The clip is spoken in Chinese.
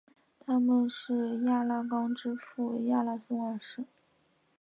他们是亚拉冈之父亚拉松二世。